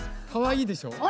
かわいいでしょ？